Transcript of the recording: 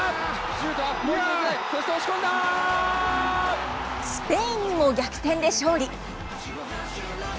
シュートは、スペインにも逆転で勝利。